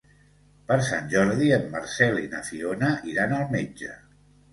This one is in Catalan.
Per Sant Jordi en Marcel i na Fiona iran al metge.